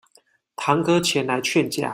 堂哥前來勸架